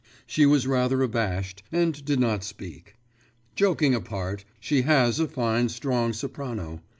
She was rather abashed, and did not speak. Joking apart, she has a fine, strong soprano.